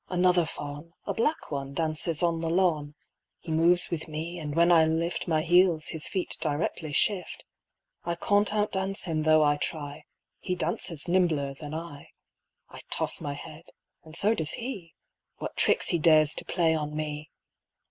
Another faun,A black one, dances on the lawn. He moves with me, and when I liftMy heels his feet directly shift:I can't outdance him though I try; He dances nimbler than I.I toss my head, and so does he; What tricks he dares to play on me!